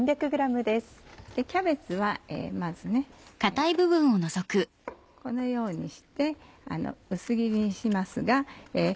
キャベツはまずこのようにして薄切りにしますが。